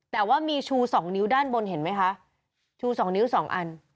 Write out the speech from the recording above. แต่ว่ามีชูสองนิ้วด้านบนเห็นไหมคะชูสองนิ้วสองอัน